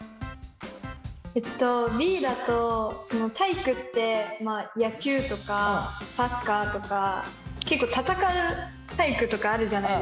えっとＢだと体育って野球とかサッカーとか結構戦う体育とかあるじゃないですか。